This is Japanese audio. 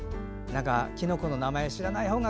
きのこの名前、知らないほうが